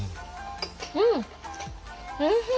うんおいしい！